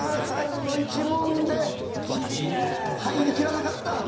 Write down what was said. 最後の１問で入りきらなかった。